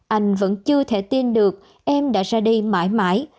anh vẫn chưa thể tin được em đã ra đi mãi mãi